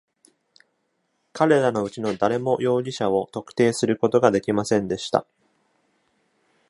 彼らのうちの誰も容疑者を特定することができませんでした。